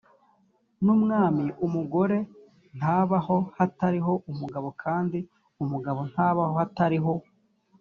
n umwami umugore ntabaho hatariho umugabo kandi umugabo ntabaho hatariho